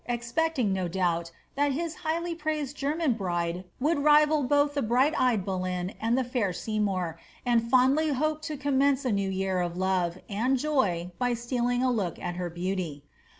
expecting, no doubt, that hia highly pimised German bride would rival both the bright eyed Boleyn and the finr Sey« roour, and fondly hoped to commence a year of love and joy by stealing a look, at her beauty.